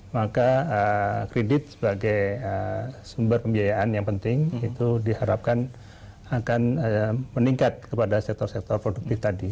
maka kredit sebagai sumber pembiayaan yang penting itu diharapkan akan meningkat kepada sektor sektor produktif tadi